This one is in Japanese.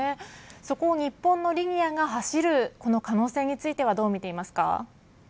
そこを日本のリニアが走るこの可能性についてはどうみていますか。